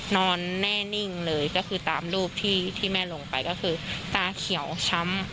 นอนแน่นิ่งเลยก็คือตามรูปที่แม่ลงไปก็คือตาเขียวช้ำ